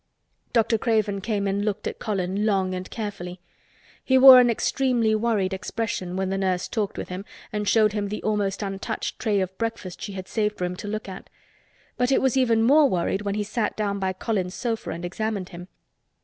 Dr. Craven came and looked at Colin long and carefully, He wore an extremely worried expression when the nurse talked with him and showed him the almost untouched tray of breakfast she had saved for him to look at—but it was even more worried when he sat down by Colin's sofa and examined him.